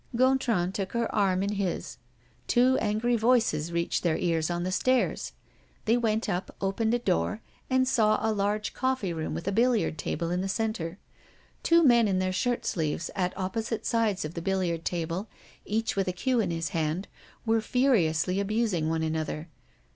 Gontran took her arm in his. Two angry voices reached their ears on the stairs. They went up, opened a door, and saw a large coffee room with a billiard table in the center. Two men in their shirt sleeves at opposite sides of the billiard table, each with a cue in his hand, were furiously abusing one another.